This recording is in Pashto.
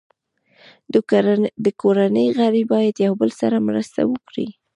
د کورنۍ غړي باید یو بل سره مرسته وکړي.